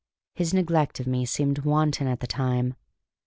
His neglect of me seemed wanton at the time.